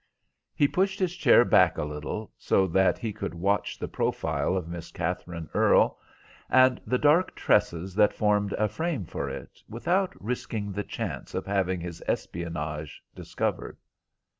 He pushed his chair back a little, so that he could watch the profile of Miss Katherine Earle, and the dark tresses that formed a frame for it, without risking the chance of having his espionage discovered.